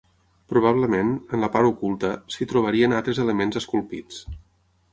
Probablement, en la part oculta, s'hi trobarien altres elements esculpits.